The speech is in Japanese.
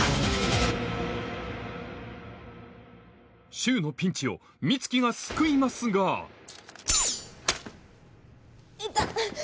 柊のピンチを美月が救いますが痛っ。